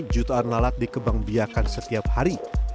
jutaan lalat dikebangbiakan setiap hari